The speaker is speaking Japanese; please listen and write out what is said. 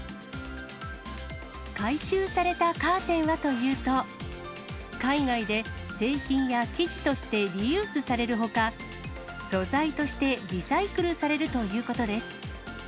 回収されたカーテンはというと、海外で製品や生地としてリユースされるほか、素材としてリサイクルされるということです。